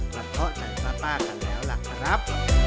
กระเทาะใจป้ากันแล้วล่ะครับ